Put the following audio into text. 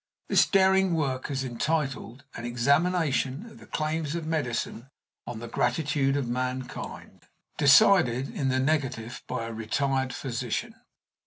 This daring work is entitled "An Examination of the Claims of Medicine on the Gratitude of Mankind. Decided in the Negative by a Retired Physician."